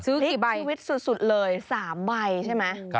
ชีวิตสุดเลย๓ใบใช่ไหม